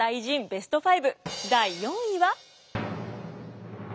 ベスト５第４位は。